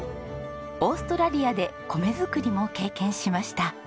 オーストラリアで米作りも経験しました。